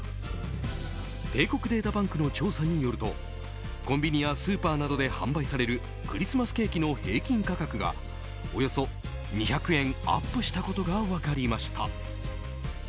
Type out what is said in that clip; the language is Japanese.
帝国データバンクの調査によるとコンビニやスーパーなどで販売されるクリスマスケーキの平均価格がおよそ２００円アップしたことが分かりました。